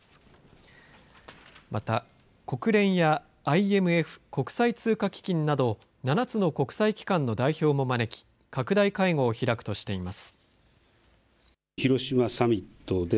また国連やＩＭＦ国際通貨基金など７つの国際機関の代表も招き拡大会合を開くとしています。